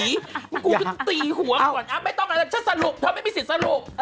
กูก็ตีหัวก่อนไม่ต้องอะไรฉันสรุปเธอไม่มีสิทธิ์สรุป